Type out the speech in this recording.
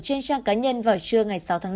trên trang cá nhân vào trưa ngày sáu tháng bốn